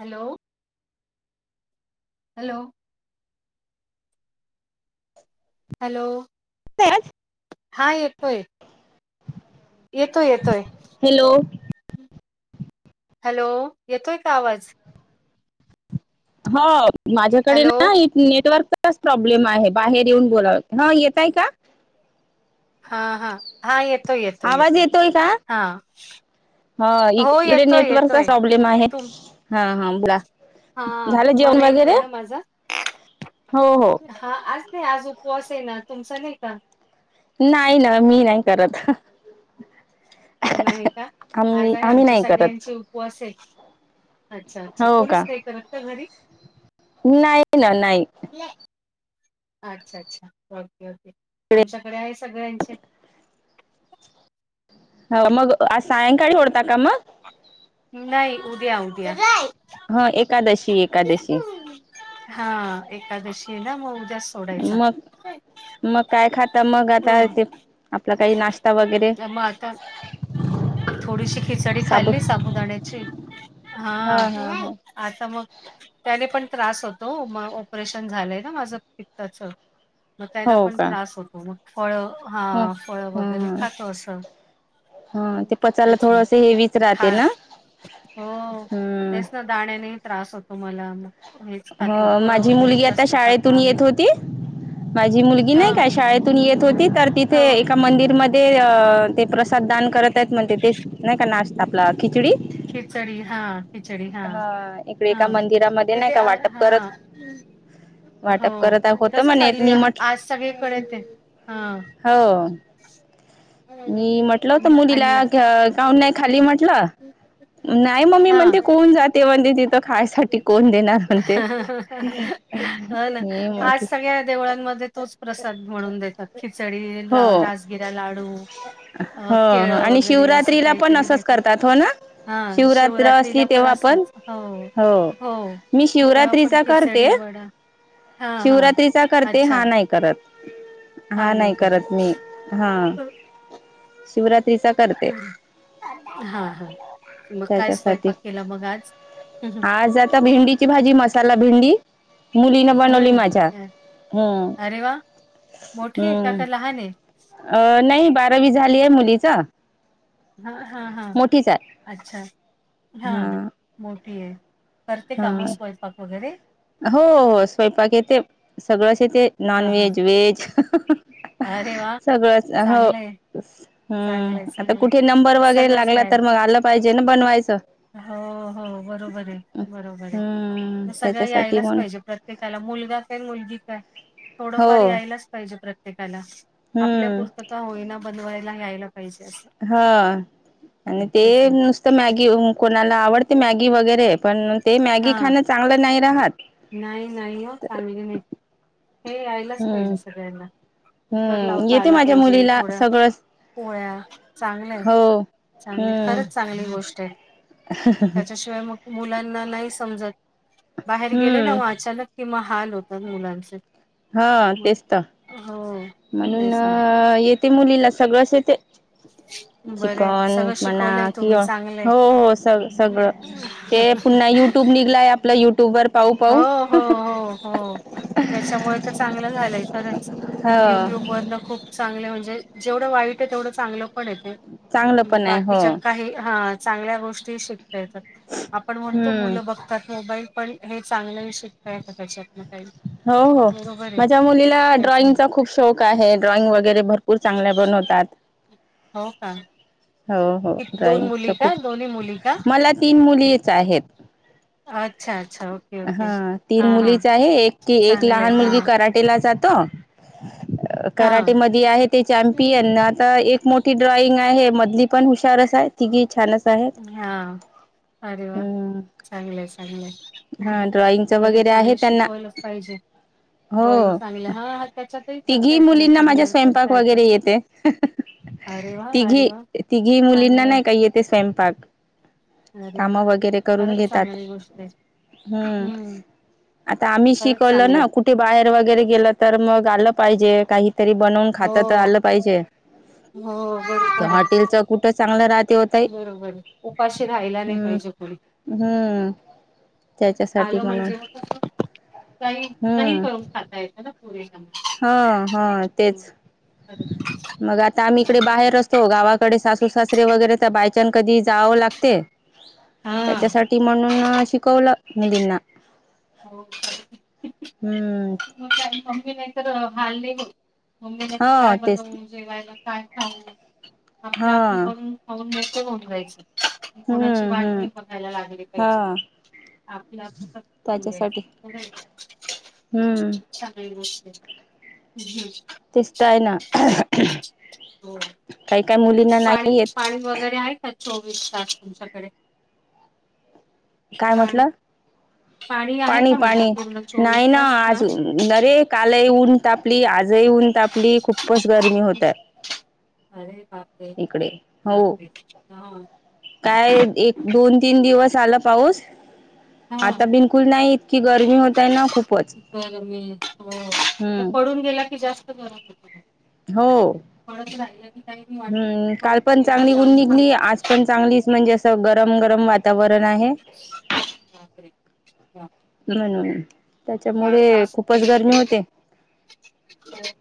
Hello hello hello हा येतोय येतोय येतोय हॅलो हॅलो येतोय का आवाज हो माझ्याकडे हॅलो नाइ नेटवर्कचाच प्रॉब्लेम आहे बाहेर येऊन बोलाव हा येतय का हा हा हा येतोय येतोय आवाज येतोय का हा ह इक हो इकडे येतोय नेटवर्कचा येतोय प्रॉब्लेम आहे तुम हा हा बुला हा झालं तुम्हाला जेवण येतोय वगैरे ना माझा हो हो हा आज नाही आज उपवास आहे ना तुमचा नाही का? नाही ना मी नाही करत. नाही का आज आम्ही आहे आम्ही आमच्या नाही करत सगळ्यांचे उपवास आहे. अच्छा-अच्छा हो का कोणीच नाही करत का घरी? नाही ना नाही. अच्छा-अच्छा ओके ओके इकडे आमच्याकडे आहे सगळ्यांचे. हो मग आज सायंकाळी होडता का मग? नाही उद्या उद्या. हो एकादशी एकादशी. हा एकादशी आहे ना म उद्या सोडायचा. मग मग काय खाता मग आता हम्म ते प आपला काही नाश्ता वगैरे? मग आता थोडीशी खिचडी साबू खाल्ली साबुदाण्याची हा. आता मग त्याने पण त्रास होतो म ऑपरेशन झालंय ना माझं पित्ताचा. मग त्याना हो पण का त्रास होतो मग फळं हा ह फळं वगैरे ह खातो असं. हा हम्म, ते पचायला तेच ना थोडस हेवीच खा राहते ना हो हम्म. तेच ना दाण्याने ही त्रास होतो मला मग. हेच खातो हो फळ माझी वगैरे मुलगी आता जास्त खातो शाळेतून आम्ही येत होती माझी मुलगी हा नाही काय शाळेतून येत होती तर तिथे हो एका मंदिरम ते अ ते प्रसाद दान करत आहेत म्हणते तेच नाही का नाश्ता आपला खिचडी. खिचडी हा खिचडी हा इकडे हा एका मंदिरामध्ये नाही तिथे का आय वाटप हा. करत हो वाटप करत होतं तसंच म्हणे चालू मी आहे म्हट आज सगळीकडे ते हा. हाव. मी म्हटलं होतं मुलीला आणला क काऊन नाही खाल्ली म्हटलं. [unintelligible] नाही मम्मी हा म्हणते कोण जाते म्हणते तिथं खायसाठी कोण देणार म्हणते. हो ना मी आज म्हटलं सगळ्या देवळातमध्ये तोच प्रसाद म्हणून देतात. खिचडी, हो रा राजगिरा लाडू. अ हो हो केळं आणि वगैरे असं शिवरात्रीला पण काहीतरी असंच देतात करता. अथवा ना. हा शिवरात्र असली शिवरात्रीला पण तेव्हा असच हो हो. मी तेव्हा पण शिवरात्रीचा करते खिचडी वडा हा हा शिवरात्रीचा करते हा अच्छा नाही. करत हा नाही करत मी हा. शिवरात्रीचा करते. हा हा मग काय त्याच्यासाठी स्वयंपाक केला मग आज? आज आता भेंडीची भाजी मसाला भेंडी. मुलीना बनवली हम्म माझ्या हम्म. अरे वा मोठी आहे का हम्म का लहान आहे? अ नाही बारावी झाली आहे मुलीचा हा हा हा मोठीच आहे अच्छा हा मोठी आहे. ते कामं हा स्वयपाक वगैरे हो स्वयंपाक येते सगळंच येते नॉन हां, हां. Veg, veg. अरे वा सगळचं हो चांगलं हम्म आहे, आता चांगलं आहे. कुठे नंबर वगैरे सगळंच लागला यायला तर मग आलं पाहिजे ना बनवायचं. हो -हो बरोबर ये, बरोबर ये हम्म म सगळं त्याच्यासाठी यायलाच मण पाहिजे प्रत्य प्रत्येकाला मुलगा काय, मुलगी काय हो थोडंफार यायलाचं पाहिजे प्रत्येकाला. हम्म आपल्यापूरत का होईना बनवायला यायला पाहिजे असं. हा आणि ते तेच ना. नुसं मॅगी म कोणाला आवडते मॅगी वगैरे पण ते मॅगी खाणं चांगलं नाही राहात. नाही-नाही हं चांगली नाही. हे यायलाच हम्म पाहिजे सगळ्यांना. कुकर हम्म, लावता येते आला माझ्या पाहिजे, मुलीला थोडा सगळंच. पोळ्या, चांगलंय हो -चांगलंय हम्म खरंच चांगली गोष्ट आहे, म त्याच्याशिवाय मग मुलांना नाही समजत. बाहेर गेले ना हम्म ओ अचानक कि मं हाल होतात मुलांचे. हा, मग हेच त हो. म्हणून तेच ना अं येते मुलीला सगळंच येते. बरं चिकन सगळं म्हणा शिकवलंय तुम्ही किवा, चांगलंय हो हो सगळंच. सगळं, ते पुन्हा युट्यूब निघलंय, आपलं युट्यूबवर हो -हो, हो -हो त्याच्यामुळे तर चांगलं झालंय खरंच, ह युट्यूब वरन खूप चांगलं म्हणजे जेवढं वाईट ये तेवढं चांगलं पण आहे ते, चांगलं म्हणजे पण आहे हो बाकीच्यात काही हा चांगल्या गोष्टी शिकता येतात, आपण म्हणतो हम्म मुलं बघतात मोबाईल पण हे चांगलं शिक शिकताय येत त्याच्यातनं काही हो -हो बरोबर आहे माझ्या मुलीला तेच ना. ड्रॉइंगचा खूप शौक आहे, ड्रॉइंग वगैरे भर पुर चांगल्या बनवतात. हो का? हो -हो कित दोन ड्रॉइंगच मुली का खूप, दोन्ही मुली का? मला तीन मुलीच आहेत. अच्छा-अच्छा, ओके-ओके. हा तीन मुलीच आहे, एक ती लहान हा मुलगी कराटेला जातो कराटे हा. मधी आहे ती चॅमपियन ना एक मोठी ड्रॉइंग आहे, मधली पण हुशारच आहे, तिघी छानच आहेत. हा अरे वा, हम्म चांगलंय- हा चांगलंय. ड्रॉइंगच बरे वगैरे आहे चांगले त्यांना शिकवलंच पाहिजे. ड्रॉइंग हो, चांगलं हा हा त्याच्यातही करता तिघी येतं ना मुलींना माझ्या करिअर स्वयंपाक करता येतं. वगैरे येते. अरे वा अरे तिघी, वा तिघी मुलींना चांगलंय नाही का येते स्वयंपाक. अरे वा, कामं वगैरे करून खरचं घेतात चांगली गोष्ट आहे, हम्म. आता आम्ही खरंच शिकवलं चांगले ना कुठे बाहेर वगैरे गेलं, तर मग आलं पाहिजे काही तरी बनवून हो खाता तर आलं पाहिजे, हो ते बरोबर आहे हॉटेलचं कुठं चांगलं राहत. बरोबर ये, उपाशी राहिल्या नाही हम्म पाहिजे पोरी. हम्म, त्याच्यासाठी म्हणून काही-काही हम्म करून खाता येतं ना पोरीना. हा -हा तेच, मग आता आम्ही इकडे बाहेर असतो गावात कडे सासू- सासरे वगैरे तर बायचान्स कधी जावं लागते. हा त्याच्यासाठी म्हणून अं शिकवलं मुलींना. हो, हम्म. म काय मम्मी नाही तर हालं नही होईल, मम्मी नाही तर काय हा तेच बनवु. जेवायला काय खाऊ आपलं हा आपलं बनवून खाऊून मस्त होऊन जायचं. कोणाची हम्म वाट हम्म नाही बघायला लागली हा पाहिजे. आपलं आपलं तर खाऊन त्याच्यासाठी घ्यायचं [unintelligible] हम्म. [unintelligible] तेच तर आहे ना, हो काही काही मुलींना पाणी नाही येत. पाणी वगैरे आहे का चोवीस तास तुमच्याकडे? काय पाणी म्हटलं? आहे पाणी का म्हटलं पाणी पूर्ण चोवीस नाही ना तास हा आज अरे कालही ऊन तापली आजही ऊन ताप पली खूपच गरमी होतात अरे बापरे इकडे हो. बापरे [unintelligible] काय एक दोन तीन दिवस आला पाऊस हा आता बिलकुल नाही इ तकी गरमी होतंय ना खूप तर मी हो, तर हम्म पडून गेला की जास्त गरम होतंय. हो. पळत राहिलं की काही मी वाटत नाही. हम्म काल पडून पण घेऊन चांगली ऊन जाऊन निघली थांबलं की आज पण चांगलीच म्हणजे असं गरम गरम वाता तावरण आहे बापरे बाप म्हणून फार त्याच्यामुळे त्रास होतो खूपच मग गरमी होते. ते.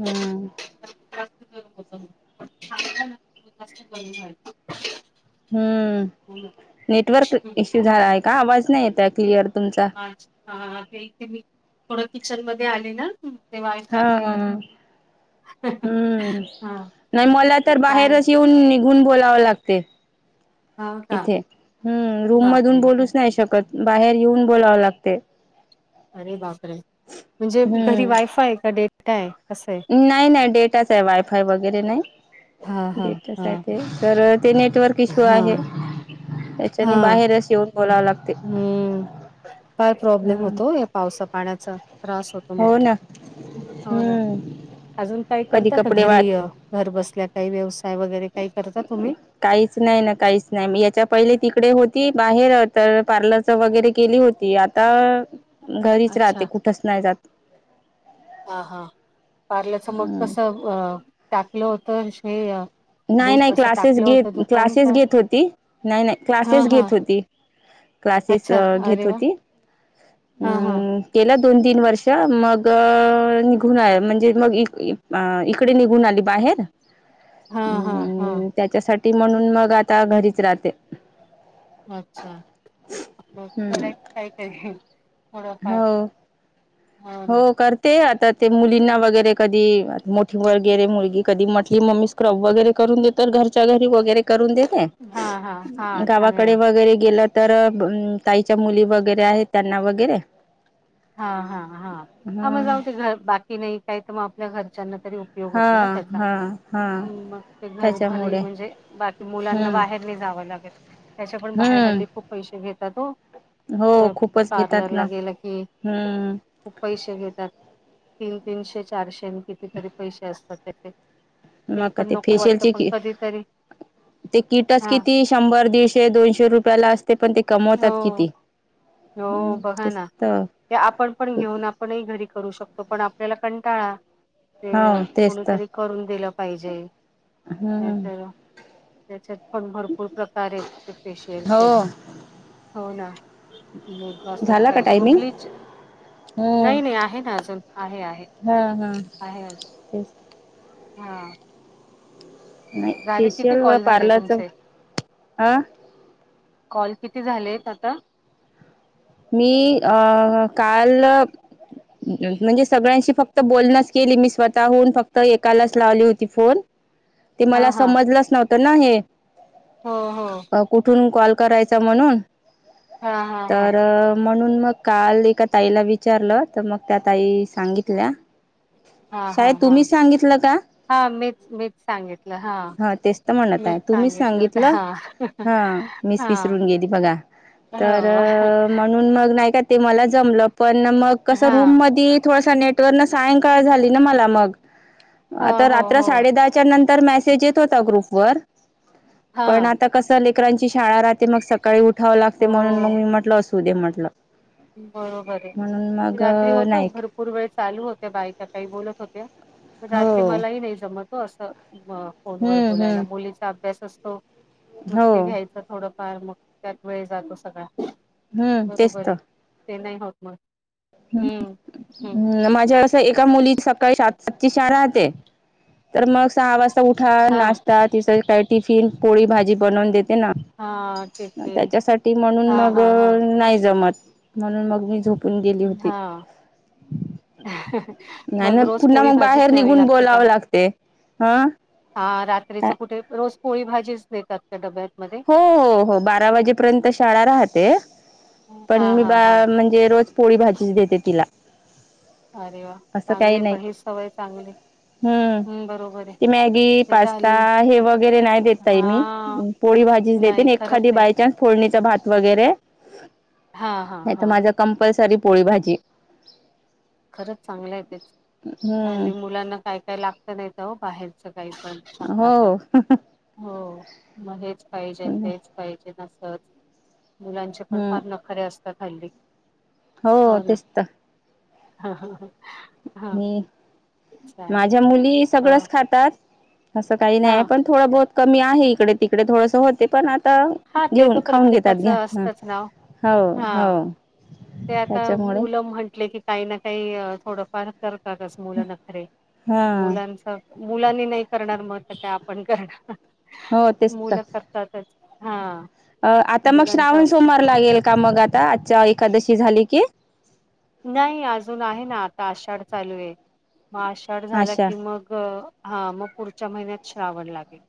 हम्म. तर जास्त गरम [unintelligible] हो ना. हम्म नेटवर्क हम्म. इश्यू झालाय का आवाज नाही येतय क्लिअर तुमचा अच्छा हां ते इथे मी थोडं किचन मध्ये आले ना इथे वायफाय हा नाही [unintelligible] हम्म हा नाही मला तर काय बाहेरच येऊन निघूनच बोलावं लागते हो का इथे हम्म रूम मधून बापरे बोलूच नाही शकत बाहेर येऊन बोलावं लागते. अरे बापरे! म्हणजे घरी हम्म वायफाय आहे का डेटा आहे? कसं आहे? नाही नाही डेटाच आहे वायफाय वगैरे नाही, हा हा डेटाच हा आहे ते. तर ते नेटवर्क इश्यू हा आहे हा त्याच्यानी बाहेरच येऊन बोलावं लाग हम्म फार प्रॉब्लेम हम्म होतो या पावसा-पाण्याचा त्रास होत तो मग, हो ना हो ना, हम्म अजून काय कधी करता का कपडे घरी वाच घर बसल्या काही व्यवसाय वगैरे काय करता तुम्ही? काहीच नाही ना काहीच नाही मी याच्या पहिले तिकडे होती बाहेर तर पार्लरच वगैरे केली होती आ ता घरीच राहते अच्छा कुठच नाही जात. हां हां पार्लरच मग हम्म कसं टाकलं होतं हे नाही बूट नाही असं क्लासेस टाकलं घेत, होतं दुकान क्लासेस का घेत होती नाही नाही हा क्लासेस हा घेत होती. क्लासेस घेत होती. हां हां. केला दोन तीन वर्ष मग निघून आहे, म्हणजे मग इक इकडे निघून आली बाहेर. हां हां हां. अं त्याच्यासाठी म्हणून मग आता घरीच राहते. अच्छा! मग हम्म करायचं काय तरी थोडंफार हो हो करते आता ते मुलींना वगैरे कधी मोठी वगैरे मुलगी कधी म्हटली मम्मी क्रब वगैरे करून देत तर घरच्या घरी वगैरे करून देता हा हा आहे, हा गावाकडे चांगलंय वगैरे गेलात. तर ताईच्या मुली वगैरे आहेत त्यांना वगैरे हा हा हा हा मग जाऊ ते घर बाकी नाही काय तर मग आपल्या घरच्यांना तरी हा हा हा ह मग ते घर घरी त्याच्यामुळे म्हणजे बाकी मुलांना हम्म बाहेर नाही जावं लागत. त्याच्या पण बाहेर हल्ली हम्म खूप पैसे घेतात ओ. हो खूपच घेतात ना की हम्म खूप पैसे घेतात, तीन तीनशे चारशे आणि कितीतरी पैसे असतात त्याचे मग पण ते नको वाटत फेशियलची पण किट, कधीतरी ते किटस हा किती शंभर दीडशे दोनशे रुपयाला असते पण ते हो कमवतात किती. हम्म हो बघा तेच ना. तर हे आपण पण खूप घेऊन आपणही घरी करू शकतो पण आपल्याला कंटाळा- हो ते तेच तर कोणीतरी करून दिलं पाहिजे, नाही हम्म तर त्याच्यात पण भरपूर प्रकार आहेत ते फेशियलचे, हो हो ना लोक असतात झाला का पाहिजे मग टायमिंग ब्लीच हम्म नाही नाही आहेत अजून आहे आहे, हा हा आहे अजून. तेच हा. नाही झाले किती फेशियल व कॉल झाले पार्लरच तुमचे? अ कॉल किती झालेत आता? मी अ काल म्हणजे सगळ्यांशी फक्त बोलणच केली मी स्वतःहून, फक्त एकालाच लावली होती फोन. ते हा मला हा समजलंच नव्हतं ना हे हो हो कुठून कॉल करायचा म्हणून. हा हा हा अ म्हणून मग काल एका ताईला विचारलं, तर मग त्या ताई सांगितल्या हा हा साहेब, हा तुम्ही सांगितलं का? हा मीच मीच सांगितलं हा, तेच तर म्हणत मीच आहे तुम्हीच सांगितलं हा. हा मीस हा विसरून गेली बघा तर हो मग म्हणून मग नाही का ते मला जमलं पण नाही, मग कस हा रूम मध्ये थोडासा नेट. म मग तारा सांयकाळ झाली ना मला मग हो आता हो राञ हो साडे दहा त्यानंतर मॅसेज येत होता गृप वर हा पण आत्ता कसं लेकरांची शाळा राहते मग सकाळी उठावं लागते, म्हणून हो मग मी म्हटलं असू देे म्हटलं. बरोबर म्हणून आहे मग रात्री होत नाही भरपूर पूर्वेळ चालू होत्या, बायका काही बोलत होत्या पण हो रात्री मलाही नाही जमत. असं असत मग फोन वर हम्म बोलायला हम्म मुलीचा अभ्यास असतो मग हो ते घ्यायच. थोडंफार मग त्यात वेळ जातो सगळा हम्म तेच बरोबर तर आहे. ते नाही होत मग हम्म. हम्म हम् माझ्या वेळेस एका मुलीत सकाळी सातची शाळा राहते तर मग सहा वाज तो उठा हा नाश्ता तिस काही टिफिन पोळी भाजी बनवून देते ना. हा टिफिन त्याच्यासाठी म्हणून हा मग हा हा नाही जमत, म्हणून मग मी झोप कोण गेली होती. अ [unintelligible] नाही ना, पुन्हा मग बाहेर निघून बोलावं लागते हं. हा काय रात्रीचं कुठे? रोज पोळी भाजीचं देतात त्या डब्यातमध्ये? हो हो हो.. बारा वाजेपर्यंत शाळा राहते पण हा हा हा मी जे रोज पोळी भाजीचं देते तिला. अरे वा! असं काही चांगले नाही पण ही सवय चांगलीयं. हम्म ते मॅगी, नाही तर पास्ता हल्ली हे वगैरे नाही देत ताई मी. हा पोळी भाजीचं नाही देते. खरंच एखादी आहे बाय चान्स फोडणीचा भात वगैरे हा हा हा तर माझा कंपलसरी पोळी भाजी. खरंच चांगलं आहे तेच. हम्म हल्ली मुलांना काय काय लागत नाही तर हो बाहेरचं काही पण. [unintelligible] हो [unintelligible] हो मग हेचं पाहिजे तेचं पाहिजे असचं मुलांचे पण हम्म फार नक् खरे असतात हल्ली. हो तेचं तर. हा हा हा. मी चालेल माझ्या मुली अ, सगळचं खातात असं काही नाही हा पण थोडं बहुत कमी आहे इकडे तिकडे थोडंसं होते पण त हा ते तर घेऊनं खाऊनं घेतात प्रत्येकाचं घ्या ह असतंच नाव हो हो. हा ते आता त्याच्यामुळे मुल म्हंटले की काही ना काही थोडंफार करतातचं मुलं नखरे हा मुलाचं मुलांनी नाही करणार मग काय तर आपण करणार हो तेच तर मुलं करतातचं. अ आता मग श्रावण असत सोमवार सगळं. लागेल का मग आता आजच्या एकादशी झाली की नाही अजून आहे ना आता आषाढं चालू आहे मग आषाढं झाला अशा की मग हा मग पुढच्या महिन्यात श्रावण लागेल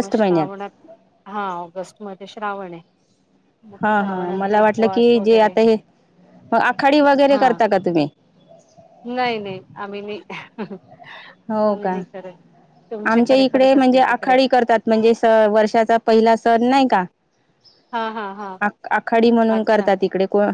मग महिन्यात श्रावणात हा ऑगस्ट मध्ये श्रावण आहे. मग हा हा श्रावणातले मला वाटलं की उपवास जे वगैरे आता हे मग आखाडी वगैरे हा करता का तुम्ही? नाही नाही आम्ही नाही. हो आम्ही का.. नाही करत. आमच्या तुमच्याकडे इकडे करत म्हणजे असतील तिकडे आखाडी करतात. म्हणजे स वर्षाचा पहिला सण नाही का? हा हा हा आ आखाडी म्हणून अच्छा करतात इकडे को